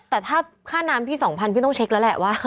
แต่ถ้าค่าน้ำพี่๒๐๐พี่ต้องเช็คแล้วแหละว่า